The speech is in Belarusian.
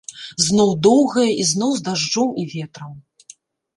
Зноў доўгая, і зноў з дажджом і ветрам.